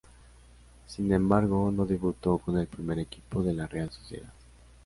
Sin embargo no debutó con el primer equipo de la Real Sociedad.